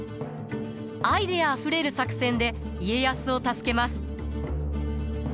アイデアあふれる作戦で家康を助けます。